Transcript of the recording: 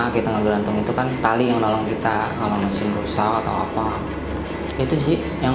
kita ngegalantung itu kan tali yang nolong kita sama mesin rusak atau apa itu sih yang